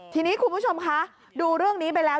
ทีนี้คุณผู้ชมคะดูเรื่องนี้ไปแล้ว